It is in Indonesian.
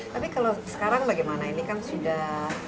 tapi kalau sekarang bagaimana ini kan sudah